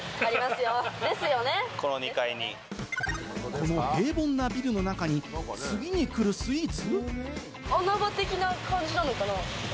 この平凡なビルの中に次に来るスイーツ？